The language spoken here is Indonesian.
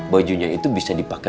bajunya itu bisa dipake